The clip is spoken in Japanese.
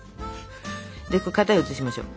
で型に移しましょう。